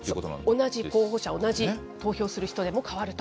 同じ候補者、同じ投票する人でも変わると。